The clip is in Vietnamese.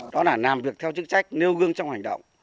đó là làm việc theo chức trách nêu gương trong hành động